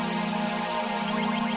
iya mak amin